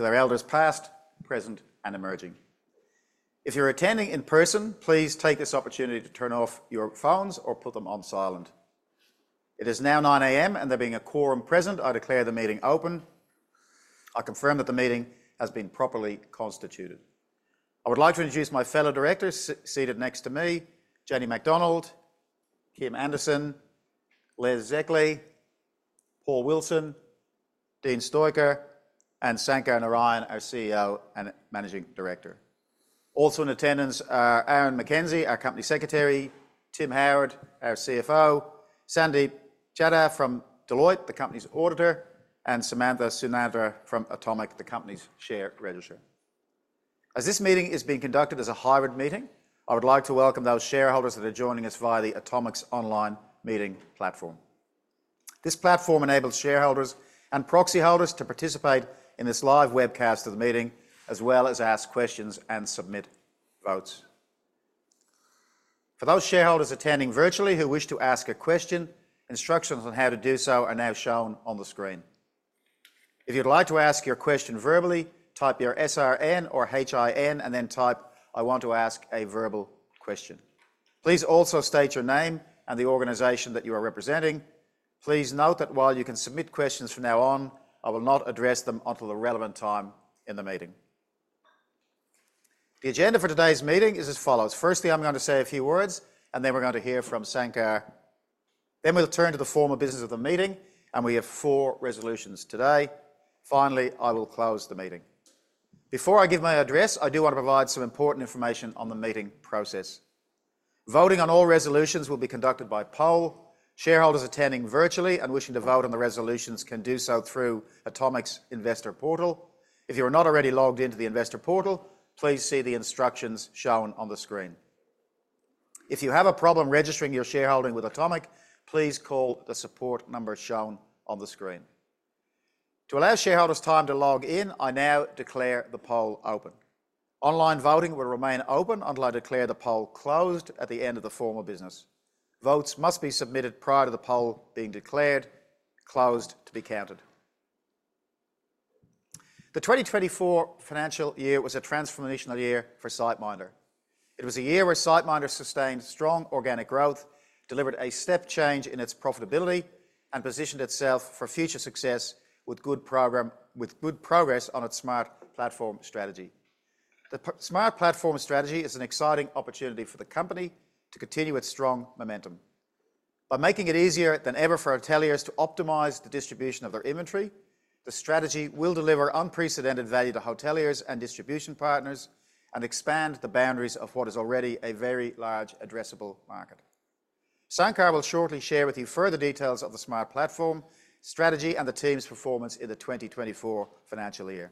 To their elders past, present, and emerging. If you're attending in person, please take this opportunity to turn off your phones or put them on silent. It is now 9:00 A.M., and there being a quorum present, I declare the meeting open. I confirm that the meeting has been properly constituted. I would like to introduce my fellow directors seated next to me, Jenny Macdonald, Kim Anderson, Les Szekely, Paul Wilson, Dean Stoecker, and Sankar Narayan, our CEO and Managing Director. Also in attendance are Aaron McKenzie, our Company Secretary, Tim Howard, our CFO, Sandeep Chadha from Deloitte, the company's auditor, and Samantha Sundaraj from Automic, the company's share registrar. As this meeting is being conducted as a hybrid meeting, I would like to welcome those shareholders that are joining us via the Automic's online meeting platform. This platform enables shareholders and proxy holders to participate in this live webcast of the meeting, as well as ask questions and submit votes. For those shareholders attending virtually who wish to ask a question, instructions on how to do so are now shown on the screen. If you'd like to ask your question verbally, type your SRN or HIN, and then type, "I want to ask a verbal question." Please also state your name and the organization that you are representing. Please note that while you can submit questions from now on, I will not address them until the relevant time in the meeting. The agenda for today's meeting is as follows: firstly, I'm going to say a few words, and then we're going to hear from Sankar. Then we'll turn to the formal business of the meeting, and we have four resolutions today. Finally, I will close the meeting. Before I give my address, I do want to provide some important information on the meeting process. Voting on all resolutions will be conducted by poll. Shareholders attending virtually and wishing to vote on the resolutions can do so through Automic's investor portal. If you are not already logged into the investor portal, please see the instructions shown on the screen. If you have a problem registering your shareholding with Automic, please call the support number shown on the screen. To allow shareholders time to log in, I now declare the poll open. Online voting will remain open until I declare the poll closed at the end of the formal business. Votes must be submitted prior to the poll being declared closed to be counted. The twenty twenty-four financial year was a transformational year for SiteMinder. It was a year where SiteMinder sustained strong organic growth, delivered a step change in its profitability, and positioned itself for future success with good progress on its Smart Platform strategy. The Smart Platform strategy is an exciting opportunity for the company to continue its strong momentum. By making it easier than ever for hoteliers to optimize the distribution of their inventory, the strategy will deliver unprecedented value to hoteliers and distribution partners and expand the boundaries of what is already a very large addressable market. Sankar will shortly share with you further details of the Smart Platform strategy and the team's performance in the twenty twenty-four financial year.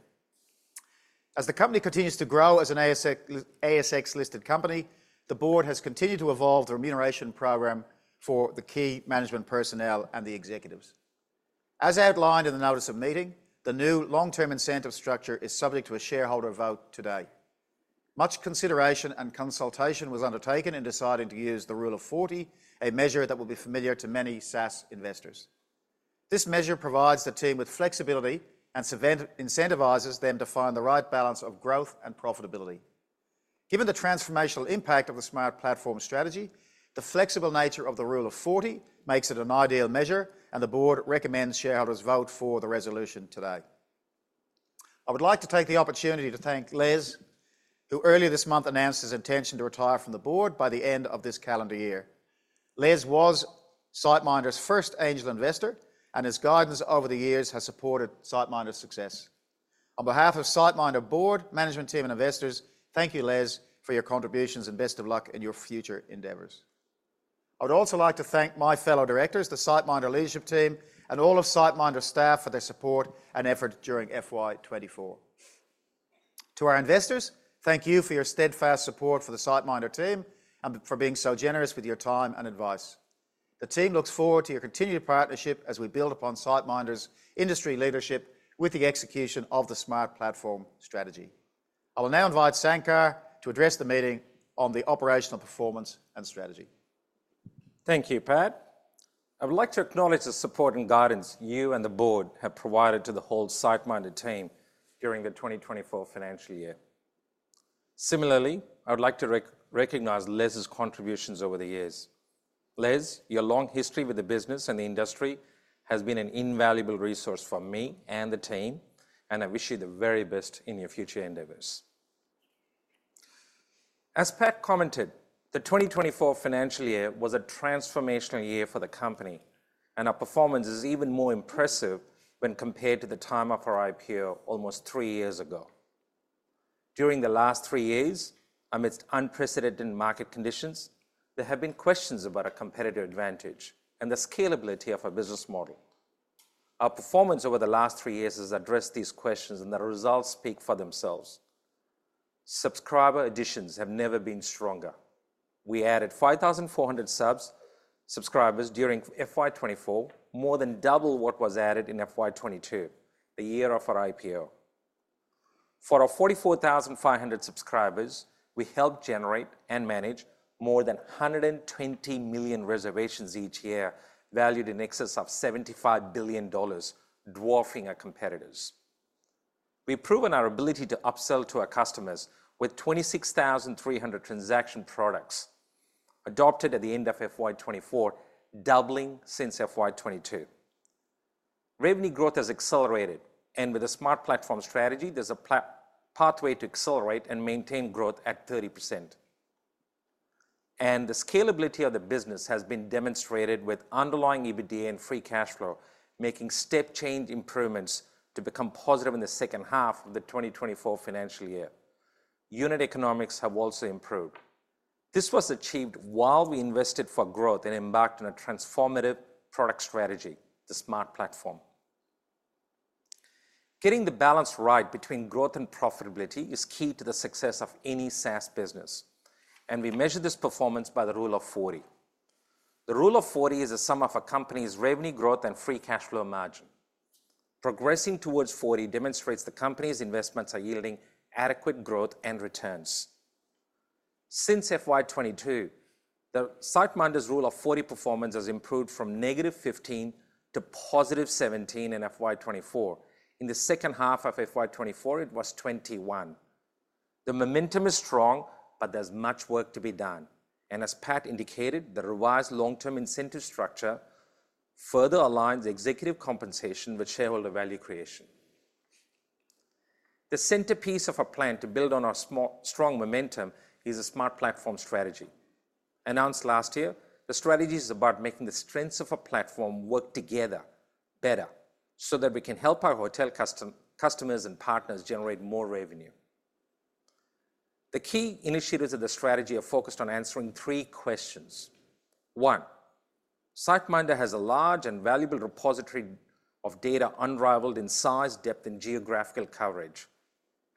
As the company continues to grow as an ASX, ASX-listed company, the board has continued to evolve the remuneration program for the key management personnel and the executives. As outlined in the notice of meeting, the new long-term incentive structure is subject to a shareholder vote today. Much consideration and consultation was undertaken in deciding to use the Rule of 40, a measure that will be familiar to many SaaS investors. This measure provides the team with flexibility and incentivizes them to find the right balance of growth and profitability. Given the transformational impact of the Smart Platform strategy, the flexible nature of the Rule of 40 makes it an ideal measure, and the board recommends shareholders vote for the resolution today. I would like to take the opportunity to thank Les, who earlier this month announced his intention to retire from the board by the end of this calendar year. Les was SiteMinder's first angel investor, and his guidance over the years has supported SiteMinder's success. On behalf of SiteMinder Board, management team, and investors, thank you, Les, for your contributions, and best of luck in your future endeavors. I would also like to thank my fellow directors, the SiteMinder leadership team, and all of SiteMinder's staff for their support and effort during FY 2024. To our investors, thank you for your steadfast support for the SiteMinder team and for being so generous with your time and advice. The team looks forward to your continued partnership as we build upon SiteMinder's industry leadership with the execution of the Smart Platform strategy. I will now invite Sankar to address the meeting on the operational performance and strategy. Thank you, Pat. I would like to acknowledge the support and guidance you and the board have provided to the whole SiteMinder team during the 2024 financial year. Similarly, I would like to recognize Les's contributions over the years. Les, your long history with the business and the industry has been an invaluable resource for me and the team, and I wish you the very best in your future endeavors. As Pat commented, the 2024 financial year was a transformational year for the company, and our performance is even more impressive when compared to the time of our IPO almost three years ago. During the last three years, amidst unprecedented market conditions, there have been questions about our competitive advantage and the scalability of our business model. Our performance over the last three years has addressed these questions, and the results speak for themselves. Subscriber additions have never been stronger. We added 5,400 subs, subscribers during FY 2024, more than double what was added in FY 2022, the year of our IPO. For our 44,500 subscribers, we help generate and manage more than 120 million reservations each year, valued in excess of 75 billion dollars, dwarfing our competitors. We've proven our ability to upsell to our customers, with 26,300 transaction products adopted at the end of FY 2024, doubling since FY 2022. Revenue growth has accelerated, and with a Smart Platform strategy, there's a pathway to accelerate and maintain growth at 30%. The scalability of the business has been demonstrated with underlying EBITDA and free cash flow, making step change improvements to become positive in the second half of the 2024 financial year. Unit economics have also improved. This was achieved while we invested for growth and embarked on a transformative product strategy, the Smart Platform. Getting the balance right between growth and profitability is key to the success of any SaaS business, and we measure this performance by the Rule of 40. The Rule of 40 is a sum of a company's revenue growth and free cash flow margin. Progressing towards 40 demonstrates the company's investments are yielding adequate growth and returns. Since FY 2022, SiteMinder's Rule of 40 performance has improved from -15 to +17 in FY 2024. In the second half of FY 2024, it was 21. The momentum is strong, but there's much work to be done, and as Pat indicated, the revised long-term incentive structure further aligns executive compensation with shareholder value creation. The centerpiece of our plan to build on our strong momentum is a Smart Platform strategy. Announced last year, the strategy is about making the strengths of a platform work together better, so that we can help our hotel customers and partners generate more revenue. The key initiatives of the strategy are focused on answering three questions. One, SiteMinder has a large and valuable repository of data, unrivaled in size, depth, and geographical coverage.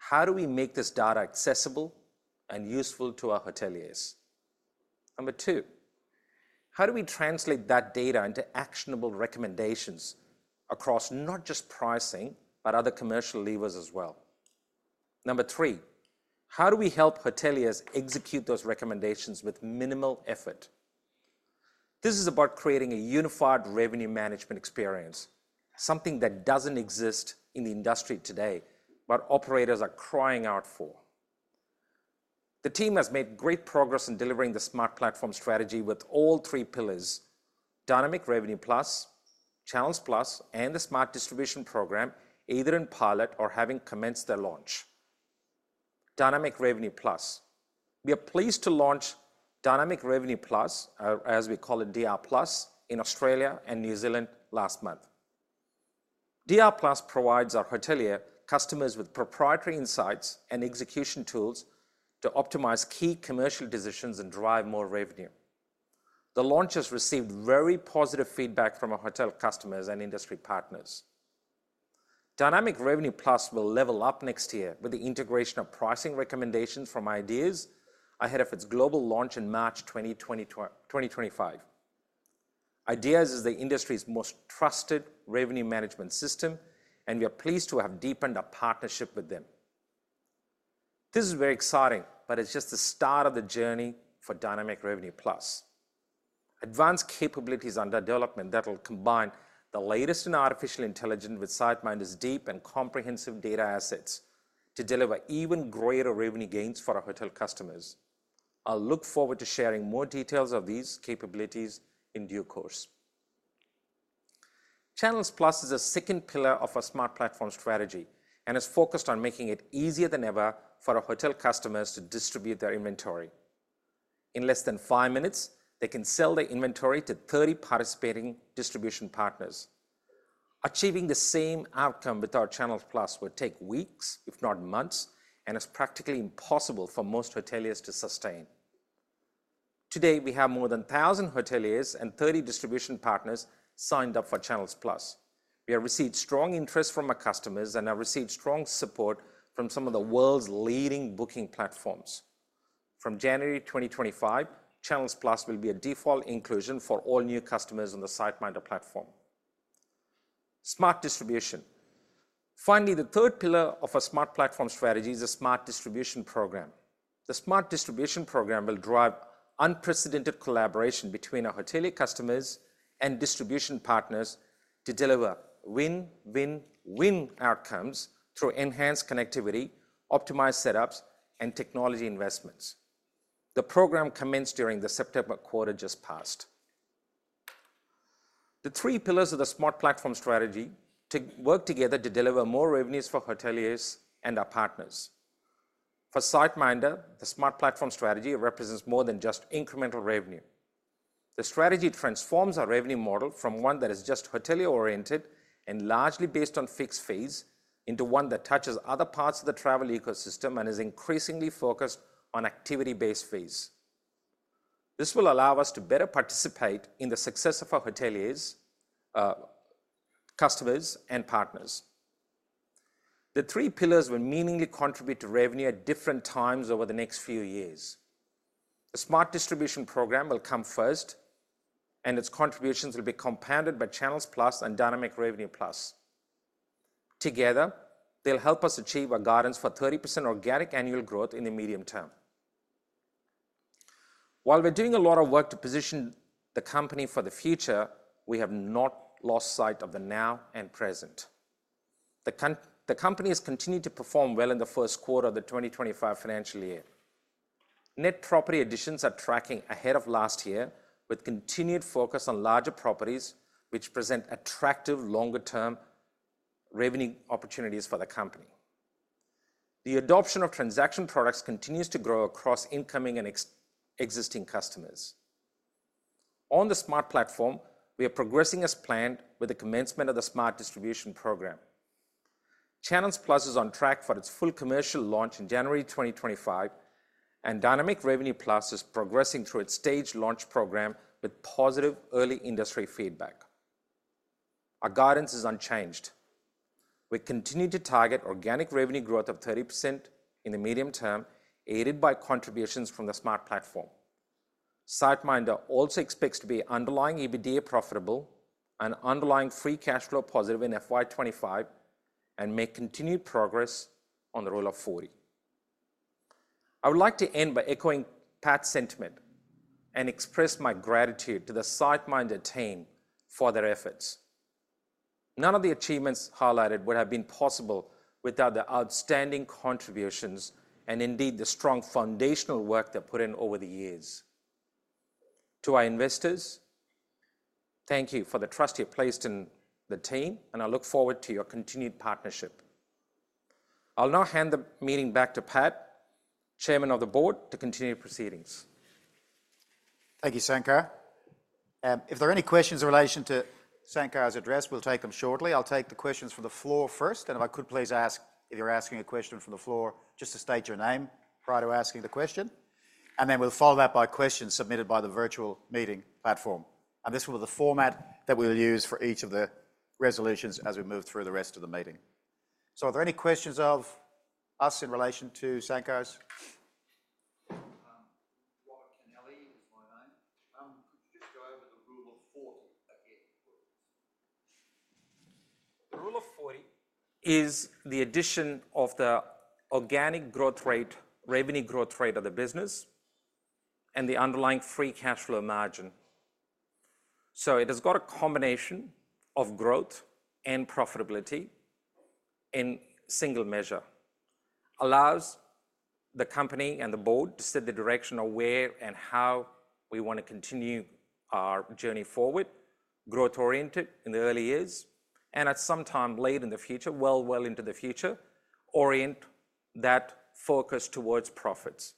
How do we make this data accessible and useful to our hoteliers? Number two, how do we translate that data into actionable recommendations across not just pricing, but other commercial levers as well? Number three, how do we help hoteliers execute those recommendations with minimal effort? This is about creating a unified revenue management experience, something that doesn't exist in the industry today, but operators are crying out for. The team has made great progress in delivering the Smart Platform strategy with all three pillars: Dynamic Revenue Plus, Channels Plus, and the Smart Distribution Program, either in pilot or having commenced their launch. Dynamic Revenue Plus. We are pleased to launch Dynamic Revenue Plus, as we call it, DRPlus, in Australia and New Zealand last month. DRPlus provides our hotelier customers with proprietary insights and execution tools to optimize key commercial decisions and drive more revenue. The launch has received very positive feedback from our hotel customers and industry partners. Dynamic Revenue Plus will level up next year with the integration of pricing recommendations from IDeaS, ahead of its global launch in March twenty twenty-five. IDeaS is the industry's most trusted revenue management system, and we are pleased to have deepened our partnership with them. This is very exciting, but it's just the start of the journey for Dynamic Revenue Plus. Advanced capabilities are under development that will combine the latest in artificial intelligence with SiteMinder's deep and comprehensive data assets to deliver even greater revenue gains for our hotel customers. I'll look forward to sharing more details of these capabilities in due course. Channels Plus is the second pillar of our Smart Platform strategy and is focused on making it easier than ever for our hotel customers to distribute their inventory. In less than five minutes, they can sell their inventory to 30 participating distribution partners. Achieving the same outcome with our Channels Plus would take weeks, if not months, and is practically impossible for most hoteliers to sustain. Today, we have more than 1000 hoteliers and 30 distribution partners signed up for Channels Plus. We have received strong interest from our customers and have received strong support from some of the world's leading booking platforms. From January twenty twenty-five, Channels Plus will be a default inclusion for all new customers on the SiteMinder platform. Smart Distribution. Finally, the third pillar of our Smart Platform strategy is a Smart Distribution Program. The Smart Distribution Program will drive unprecedented collaboration between our hotelier customers and distribution partners to deliver win-win-win outcomes through enhanced connectivity, optimized setups, and technology investments. The program commenced during the September quarter just past. The three pillars of the Smart Platform strategy to work together to deliver more revenues for hoteliers and our partners. For SiteMinder, the Smart Platform strategy represents more than just incremental revenue. The strategy transforms our revenue model from one that is just hotelier-oriented and largely based on fixed fees, into one that touches other parts of the travel ecosystem and is increasingly focused on activity-based fees. This will allow us to better participate in the success of our hoteliers, customers, and partners. The three pillars will meaningfully contribute to revenue at different times over the next few years. The Smart Distribution Program will come first, and its contributions will be compounded by Channels Plus and Dynamic Revenue Plus. Together, they'll help us achieve our guidance for 30% organic annual growth in the medium term. While we're doing a lot of work to position the company for the future, we have not lost sight of the now and present. The company has continued to perform well in the first quarter of the twenty twenty-five financial year. Net property additions are tracking ahead of last year, with continued focus on larger properties, which present attractive longer-term revenue opportunities for the company. The adoption of transaction products continues to grow across incoming and existing customers. On the Smart Platform, we are progressing as planned with the commencement of the Smart Distribution Program. Channels Plus is on track for its full commercial launch in January 2025, and Dynamic Revenue Plus is progressing through its stage launch program with positive early industry feedback. Our guidance is unchanged. We continue to target organic revenue growth of 30% in the medium term, aided by contributions from the Smart Platform. SiteMinder also expects to be underlying EBITDA profitable and underlying free cash flow positive in FY 2025 and make continued progress on the Rule of 40. I would like to end by echoing Pat's sentiment and express my gratitude to the SiteMinder team for their efforts. None of the achievements highlighted would have been possible without the outstanding contributions and indeed, the strong foundational work they've put in over the years. To our investors, thank you for the trust you've placed in the team, and I look forward to your continued partnership. I'll now hand the meeting back to Pat, Chairman of the Board, to continue proceedings. Thank you, Sankar. If there are any questions in relation to Sankar's address, we'll take them shortly. I'll take the questions from the floor first, and if I could please ask, if you're asking a question from the floor, just to state your name prior to asking the question, and then we'll follow that by questions submitted by the virtual meeting platform. This will be the format that we'll use for each of the resolutions as we move through the rest of the meeting. So are there any questions of us in relation to Sankar's? Robert Kennelly is my name. Could you just go over the Rule of 40 again, please? The Rule of 40 is the addition of the organic growth rate, revenue growth rate of the business and the underlying free cash flow margin. So it has got a combination of growth and profitability in single measure. It allows the company and the board to set the direction of where and how we wanna continue our journey forward, growth-oriented in the early years, and at some time late in the future, well, well into the future, orient that focus towards profits.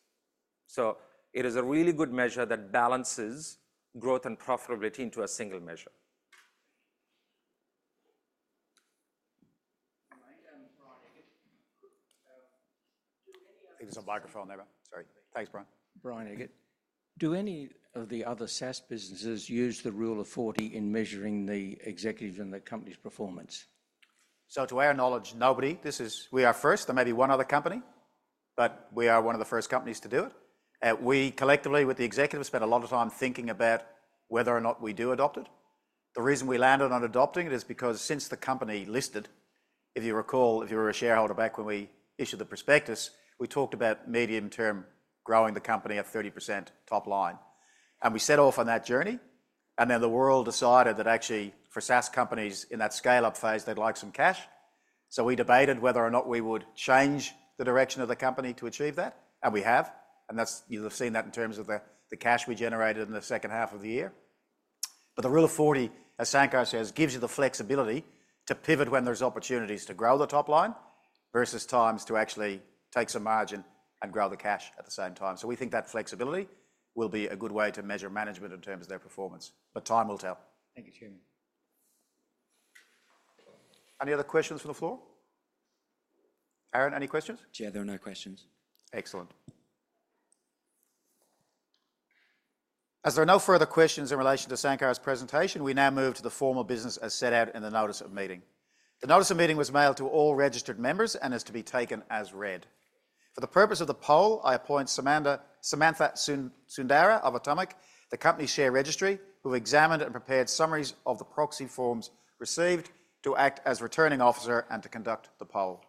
So it is a really good measure that balances growth and profitability into a single measure. My name, Brian Eggert. Do any of the- I think there's a microphone there, Brian. Sorry. Thanks, Brian. Do any of the other SaaS businesses use the Rule of 40 in measuring the executive and the company's performance? To our knowledge, nobody. This is. We are first. There may be one other company, but we are one of the first companies to do it. We collectively, with the executives, spent a lot of time thinking about whether or not we do adopt it. The reason we landed on adopting it is because since the company listed, if you recall, if you were a shareholder back when we issued the prospectus, we talked about medium-term growing the company at 30% top line. And we set off on that journey, and then the world decided that actually, for SaaS companies in that scale-up phase, they'd like some cash. So we debated whether or not we would change the direction of the company to achieve that, and we have, and that's... You'll have seen that in terms of the cash we generated in the second half of the year. But the Rule of 40, as Sankar says, gives you the flexibility to pivot when there's opportunities to grow the top line versus times to actually take some margin and grow the cash at the same time. So we think that flexibility will be a good way to measure management in terms of their performance, but time will tell. Thank you, Chairman. Any other questions from the floor? Aaron, any questions? Chair, there are no questions. Excellent. As there are no further questions in relation to Sankar's presentation, we now move to the formal business as set out in the notice of meeting. The notice of meeting was mailed to all registered members and is to be taken as read. For the purpose of the poll, I appoint Samantha Sundaraj of Automic, the company share registry, who examined and prepared summaries of the proxy forms received to act as returning officer and to conduct the poll.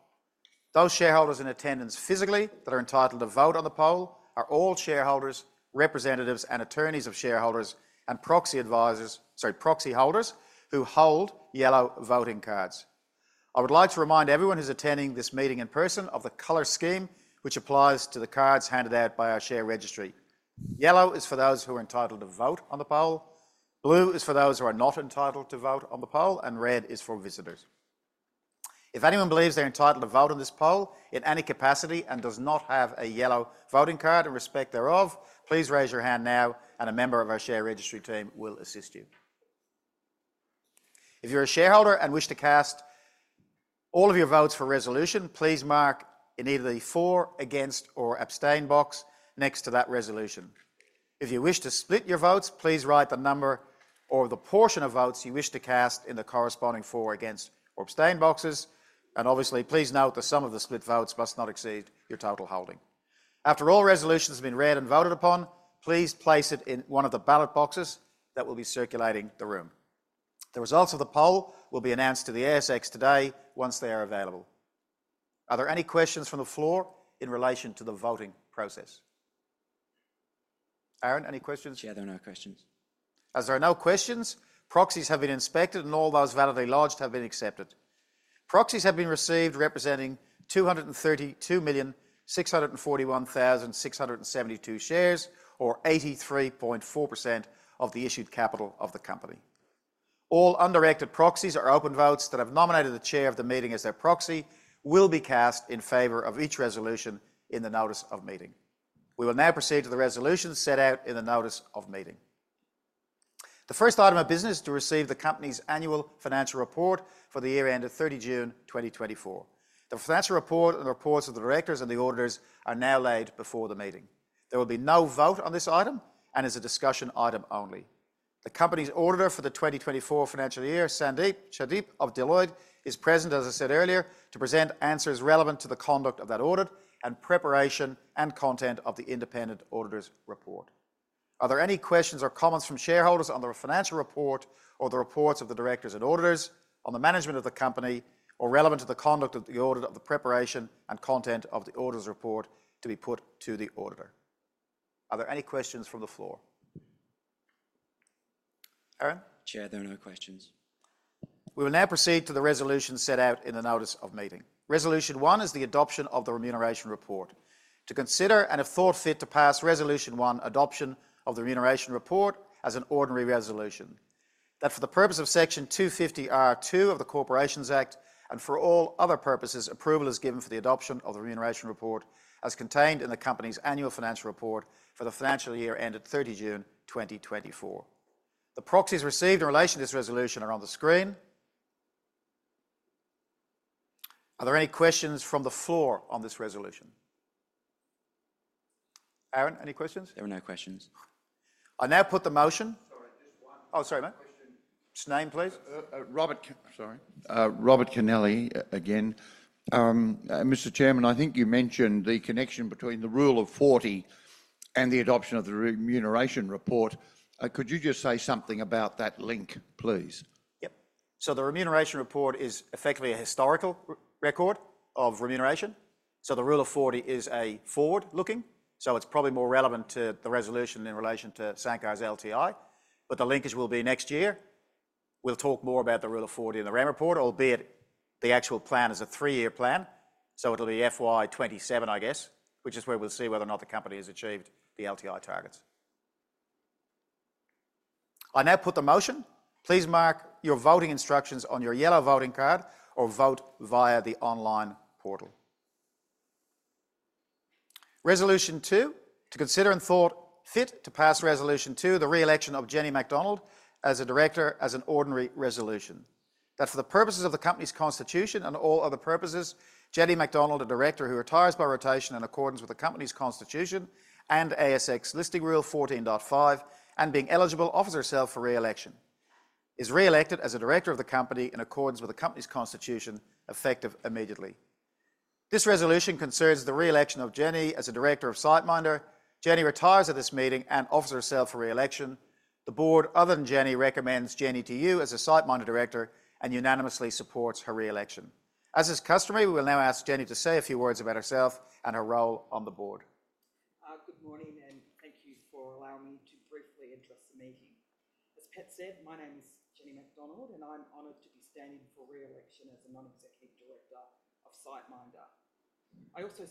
Those shareholders in attendance physically that are entitled to vote on the poll are all shareholders, representatives, and attorneys of shareholders and proxy advisors, sorry, proxy holders who hold yellow voting cards. I would like to remind everyone who's attending this meeting in person of the color scheme, which applies to the cards handed out by our share registry. Yellow is for those who are entitled to vote on the poll, blue is for those who are not entitled to vote on the poll, and red is for visitors. If anyone believes they're entitled to vote on this poll in any capacity and does not have a yellow voting card in respect thereof, please raise your hand now, and a member of our share registry team will assist you. If you're a shareholder and wish to cast all of your votes for resolution, please mark in either the for, against, or abstain box next to that resolution. If you wish to split your votes, please write the number or the portion of votes you wish to cast in the corresponding for, against, or abstain boxes. Obviously, please note the sum of the split votes must not exceed your total holding. After all resolutions have been read and voted upon, please place it in one of the ballot boxes that will be circulating the room. The results of the poll will be announced to the ASX today once they are available. Are there any questions from the floor in relation to the voting process? Aaron, any questions? Chair, there are no questions. As there are no questions, proxies have been inspected, and all those validly lodged have been accepted. Proxies have been received representing 232,641,672 shares, or 83.4% of the issued capital of the company. All undirected proxies or open votes that have nominated the chair of the meeting as their proxy will be cast in favor of each resolution in the notice of meeting. We will now proceed to the resolutions set out in the notice of meeting. The first item of business is to receive the company's annual financial report for the year end of 30 June 2024. The financial report and the reports of the directors and the auditors are now laid before the meeting. There will be no vote on this item, and it is a discussion item only. The company's auditor for the 2024 financial year, Sandeep Chadha of Deloitte, is present, as I said earlier, to present answers relevant to the conduct of that audit and preparation and content of the independent auditor's report. Are there any questions or comments from shareholders on the financial report or the reports of the directors and auditors on the management of the company, or relevant to the conduct of the audit, of the preparation and content of the auditor's report to be put to the auditor? Are there any questions from the floor? Aaron? Chair, there are no questions. We will now proceed to the resolution set out in the notice of meeting. Resolution one is the adoption of the remuneration report: to consider and, if thought fit, to pass Resolution one, adoption of the remuneration report as an ordinary resolution. That for the purpose of Section 250R(2) of the Corporations Act and for all other purposes, approval is given for the adoption of the remuneration report as contained in the company's annual financial report for the financial year ended thirty June, twenty twenty-four. The proxies received in relation to this resolution are on the screen. Are there any questions from the floor on this resolution? Aaron, any questions? There are no questions. I now put the motion. Sorry, just one. Oh, sorry, mate. Question. Name, please. Robert Kennelly again. Mr. Chairman, I think you mentioned the connection between the Rule of 40 and the adoption of the remuneration report. Could you just say something about that link, please? Yep. The remuneration report is effectively a historical record of remuneration. The Rule of 40 is a forward-looking, so it's probably more relevant to the resolution in relation to Sankar's LTI, but the linkage will be next year. We'll talk more about the Rule of 40 in the REM report, albeit the actual plan is a three-year plan, so it'll be FY 2027, I guess, which is where we'll see whether or not the company has achieved the LTI targets. I now put the motion. Please mark your voting instructions on your yellow voting card or vote via the online portal. Resolution two: to consider and thought fit to pass Resolution two, the re-election of Jenny Macdonald as a director as an ordinary resolution. That for the purposes of the company's constitution and all other purposes, Jenny Macdonald, a director who retires by rotation in accordance with the company's constitution and ASX Listing Rule 14.5, and being eligible, offers herself for re-election, is re-elected as a director of the company in accordance with the company's constitution, effective immediately. This resolution concerns the re-election of Jenny as a director of SiteMinder. Jenny retires at this meeting and offers herself for re-election. The board, other than Jenny, recommends Jenny to you as a SiteMinder director and unanimously supports her re-election. As is customary, we will now ask Jenny to say a few words about herself and her role on the board. Good morning, and thank you for allowing me to briefly address the meeting. As Pat said, my name is Jenny Macdonald, and I'm honored to be standing for re-election as a non-executive director of SiteMinder. I also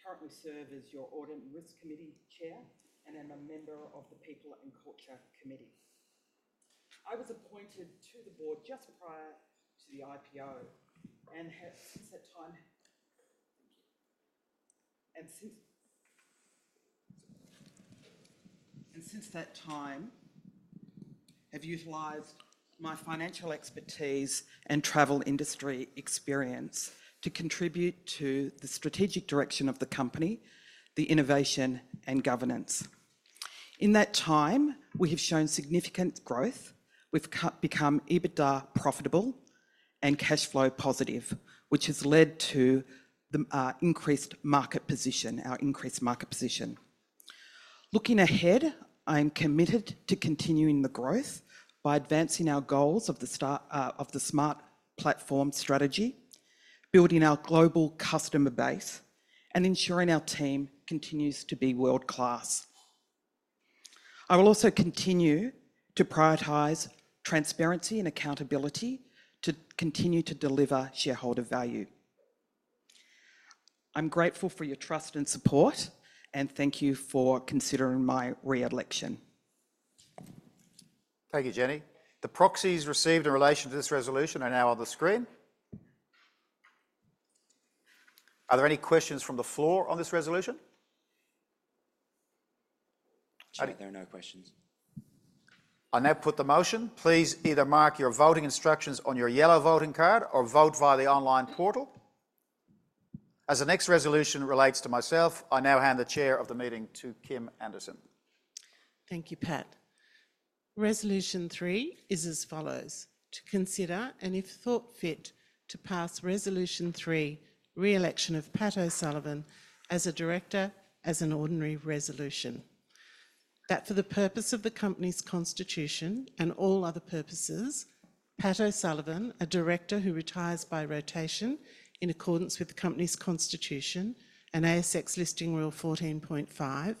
currently serve as your Audit and Risk Committee chair, and am a member of the People and Culture Committee. I was appointed to the board just prior to the IPO, and have, since that time, utilized my financial expertise and travel industry experience to contribute to the strategic direction of the company, the innovation and governance. In that time, we have shown significant growth. We've become EBITDA profitable and cash flow positive, which has led to our increased market position. Looking ahead, I am committed to continuing the growth by advancing our goals of the Smart Platform strategy, building our global customer base, and ensuring our team continues to be world-class. I will also continue to prioritize transparency and accountability to continue to deliver shareholder value. I'm grateful for your trust and support, and thank you for considering my re-election. Thank you, Jenny. The proxies received in relation to this resolution are now on the screen. Are there any questions from the floor on this resolution? Chair, there are no questions. I now put the motion. Please either mark your voting instructions on your yellow voting card or vote via the online portal. As the next resolution relates to myself, I now hand the chair of the meeting to Kim Anderson. Thank you, Pat. Resolution three is as follows: To consider, and if thought fit, to pass Resolution three, re-election of Pat O'Sullivan as a director as an ordinary resolution. That for the purpose of the company's constitution and all other purposes, Pat O'Sullivan, a director who retires by rotation in accordance with the company's constitution and ASX Listing Rule 14.5,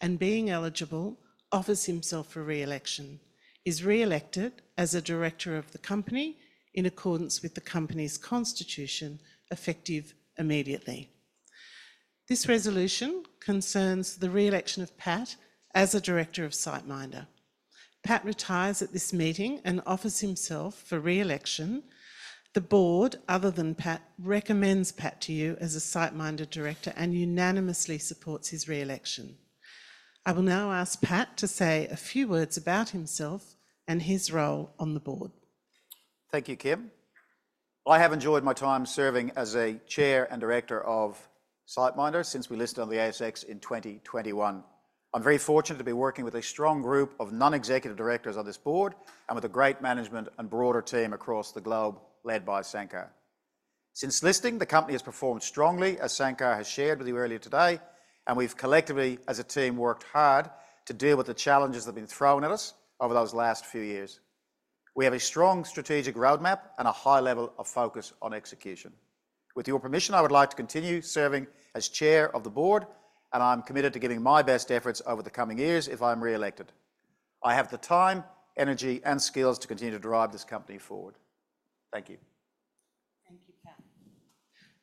and being eligible, offers himself for re-election, is re-elected as a director of the company in accordance with the company's constitution, effective immediately. This resolution concerns the re-election of Pat as a director of SiteMinder. Pat retires at this meeting and offers himself for re-election. The board, other than Pat, recommends Pat to you as a SiteMinder director and unanimously supports his re-election. I will now ask Pat to say a few words about himself and his role on the board. Thank you, Kim. I have enjoyed my time serving as a chair and director of SiteMinder since we listed on the ASX in 2021. I'm very fortunate to be working with a strong group of non-executive directors on this board and with a great management and broader team across the globe, led by Sankar. Since listing, the company has performed strongly, as Sankar has shared with you earlier today, and we've collectively, as a team, worked hard to deal with the challenges that have been thrown at us over those last few years. We have a strong strategic roadmap and a high level of focus on execution. With your permission, I would like to continue serving as chair of the board, and I'm committed to giving my best efforts over the coming years if I'm re-elected. I have the time, energy, and skills to continue to drive this company forward. Thank you.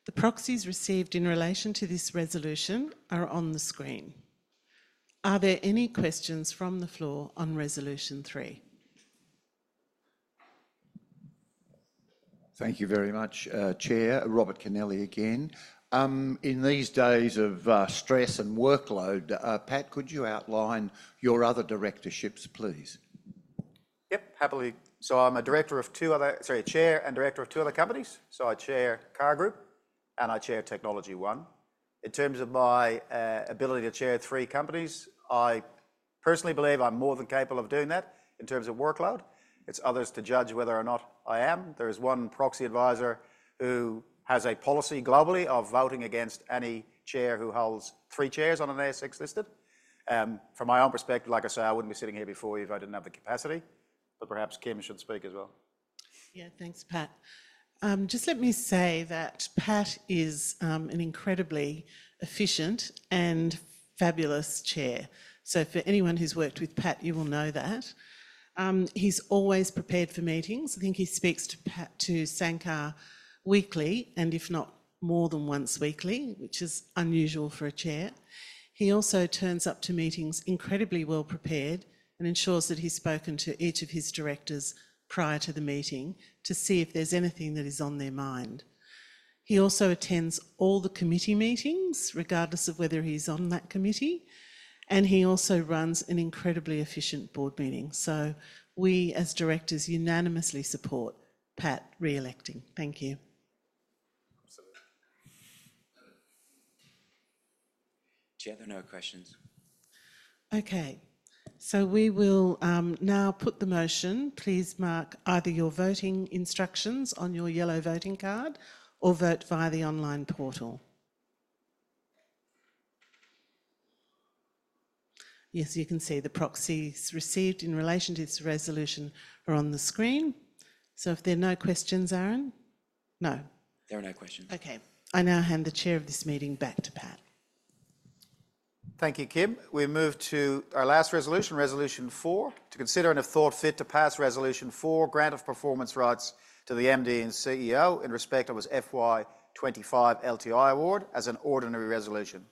Thank you, Pat. The proxies received in relation to this resolution are on the screen. Are there any questions from the floor on resolution three? Thank you very much, Chair. Robert Kennelly again. In these days of stress and workload, Pat, could you outline your other directorships, please? Yep, happily. So I'm a director of two other... Sorry, a chair and director of two other companies. So I chair CAR Group, and I chair TechnologyOne. In terms of my ability to chair three companies, I personally believe I'm more than capable of doing that in terms of workload. It's others to judge whether or not I am. There is one proxy advisor who has a policy globally of voting against any chair who holds three chairs on an ASX listed. From my own perspective, like I say, I wouldn't be sitting here before you if I didn't have the capacity, but perhaps Kim should speak as well. Yeah. Thanks, Pat. Just let me say that Pat is an incredibly efficient and fabulous chair. So for anyone who's worked with Pat, you will know that. He's always prepared for meetings. I think he speaks to Sankar weekly, and if not, more than once weekly, which is unusual for a chair. He also turns up to meetings incredibly well-prepared and ensures that he's spoken to each of his directors prior to the meeting to see if there's anything that is on their mind. He also attends all the committee meetings, regardless of whether he's on that committee, and he also runs an incredibly efficient board meeting. So we, as directors, unanimously support Pat re-electing. Thank you. Absolutely. Chair, there are no questions. Okay. So we will, now put the motion. Please mark either your voting instructions on your yellow voting card or vote via the online portal. Yes, you can see the proxies received in relation to this resolution are on the screen. So if there are no questions, Aaron? No. There are no questions. Okay. I now hand the chair of this meeting back to Pat. Thank you, Kim. We move to our last resolution, Resolution four, to consider and, if thought fit, to pass Resolution four, grant of performance rights to the MD and CEO in respect of his FY twenty-five LTI award as an ordinary resolution.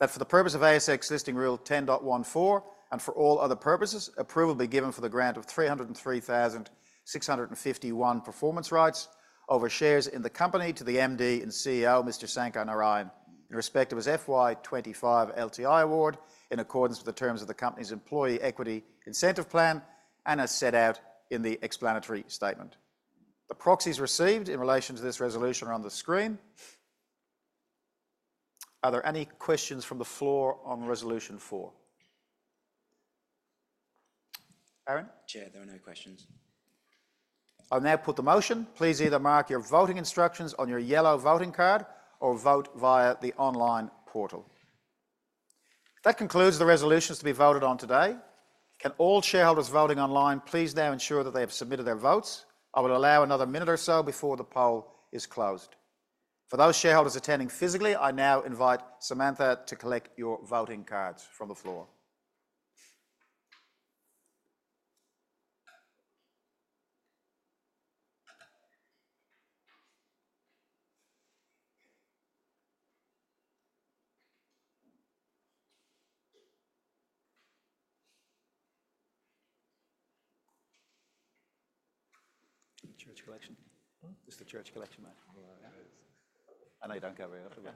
That for the purpose of ASX Listing Rule 10.14, and for all other purposes, approval be given for the grant of three hundred and three thousand six hundred and fifty-one performance rights over shares in the company to the MD and CEO, Mr. Sankar Narayan, in respect of his FY twenty-five LTI award, in accordance with the terms of the company's employee equity incentive plan and as set out in the explanatory statement. The proxies received in relation to this resolution are on the screen. Are there any questions from the floor on Resolution four? Aaron? Chair, there are no questions. I'll now put the motion. Please either mark your voting instructions on your yellow voting card or vote via the online portal. That concludes the resolutions to be voted on today. Can all shareholders voting online please now ensure that they have submitted their votes? I will allow another minute or so before the poll is closed. For those shareholders attending physically, I now invite Samantha to collect your voting cards from the floor. Church collection. Hmm? It's the church collection, mate. Oh, yeah. I know you don't go there. Are there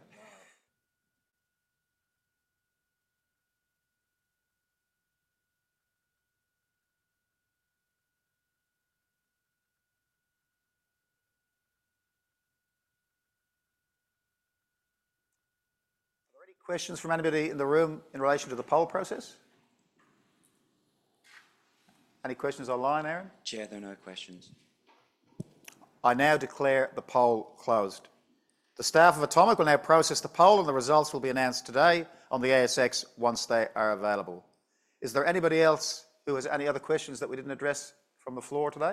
any questions from anybody in the room in relation to the poll process? Any questions online, Aaron? Chair, there are no questions. I now declare the poll closed. The staff of Automic will now process the poll, and the results will be announced today on the ASX once they are available. Is there anybody else who has any other questions that we didn't address from the floor today?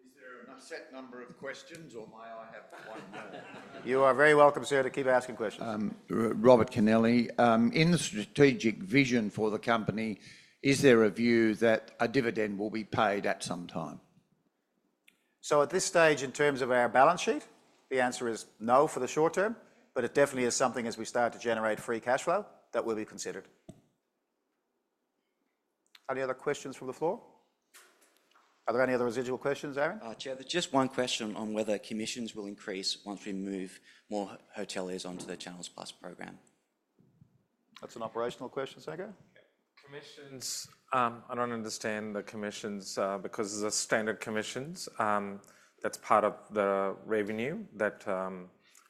Is there a set number of questions, or may I have one more? You are very welcome, sir, to keep asking questions. Robert Kennelly, in the strategic vision for the company, is there a view that a dividend will be paid at some time? So at this stage, in terms of our balance sheet, the answer is no for the short term, but it definitely is something as we start to generate free cash flow, that will be considered. Any other questions from the floor? Are there any other residual questions, Aaron? Chair, there's just one question on whether commissions will increase once we move more hoteliers onto the Channels Plus program. That's an operational question, Sankar? Commissions, I don't understand the commissions, because they're standard commissions, that's part of the revenue that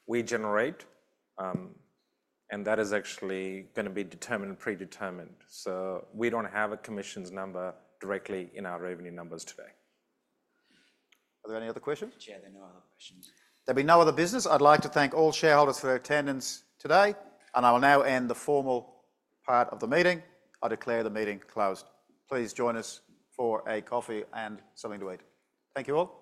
we generate, and that is actually gonna be determined, predetermined. So we don't have a commissions number directly in our revenue numbers today. Are there any other questions? Chair, there are no other questions. There'll be no other business. I'd like to thank all shareholders for their attendance today, and I will now end the formal part of the meeting. I declare the meeting closed. Please join us for a coffee and something to eat. Thank you all.